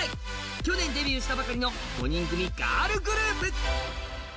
去年デビューしたばかりの５人組ガールグループ。